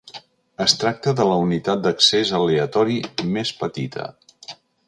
Es tracta de la unitat d'accés aleatori més petita.